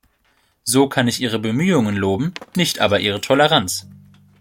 So kann ich Ihre Bemühungen loben, nicht aber Ihre Toleranz.